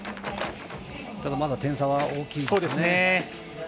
まだ点差は大きいですね。